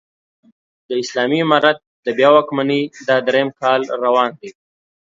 د اسلامي امارت د بيا واکمنۍ دا درېيم کال روان دی